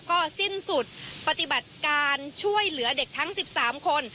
ก็สิ้นสุดปฏิบัติการช่วยเหลือเด็กทั้ง๑๓คน